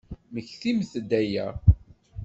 Mmektimt-d aya!